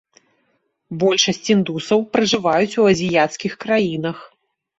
Большасць індусаў пражываюць у азіяцкіх краінах.